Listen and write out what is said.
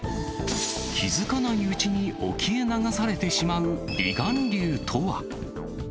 気付かないうちに沖へ流されてしまう、離岸流とは。